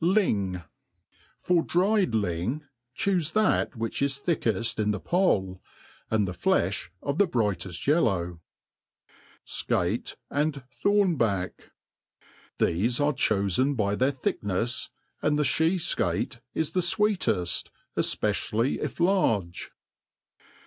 Lyng. FOR dried lyng, chufe that which is thickeft in the poll, anil the fleOi of the brighteft yellovi^. Scate and Thornback. THESE are chofen by their thicknefs, aiid the (he fcate 13 the fweeteft, efpecially if large.